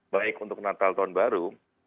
baik untuk natal tahun baru